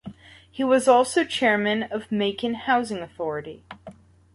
He was also chairman of the Macon Housing Authority.